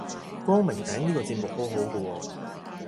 光明頂呢個節目好好個喎